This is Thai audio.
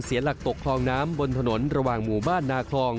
หลักตกคลองน้ำบนถนนระหว่างหมู่บ้านนาคลอง